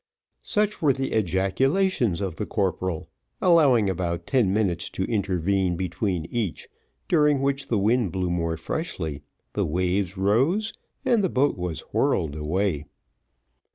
Such were the ejaculations of the corporal, allowing about ten minutes to intervene between each, during which the wind blew more freshly, the waves rose, and the boat was whirled away.